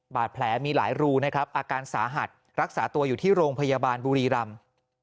บาดแผลมีหลายรูนะครับอาการสาหัสรักษาตัวอยู่ที่โรงพยาบาลบุรีรำ